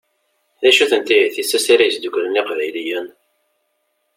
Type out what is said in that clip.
D acu-tent ihi tissas ara yesdukklen Iqbayliyen?